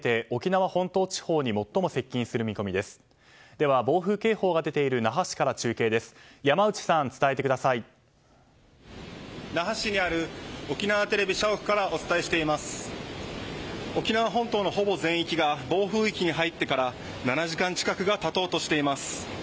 沖縄本島のほぼ全域が暴風域に入ってから７時間近くが経とうとしています。